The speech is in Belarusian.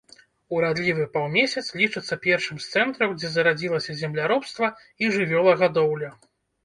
Урадлівы паўмесяц лічыцца першым з цэнтраў, дзе зарадзілася земляробства і жывёлагадоўля.